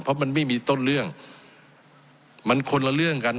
เพราะมันไม่มีต้นเรื่องมันคนละเรื่องกัน